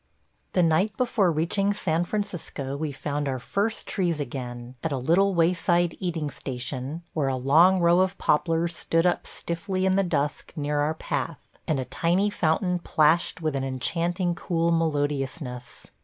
The night before reaching San Francisco we found our first trees again, at a little wayside eating station, where a long row of poplars stood up stiffly in the dusk near our path, and a tiny fountain plashed with an enchanting, cool melodiousness.